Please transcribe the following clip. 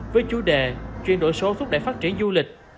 với chủ đề chuyển đổi số thúc đẩy phát triển du lịch